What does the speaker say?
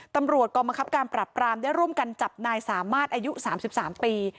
ตำรวชกรมคับการปรับปรามและร่วมกันจับนายสามารถอายุสามสิบสามปี